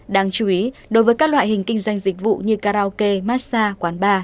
đáng chú ý đối với các loại hình kinh doanh dịch vụ như karaoke massage quán bar